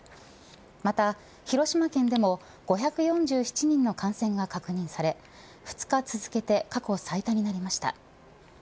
また、広島県でも５４７人の感染が確認され２日続けて過去最多になりました。